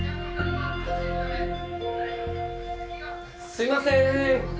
・すいませーん。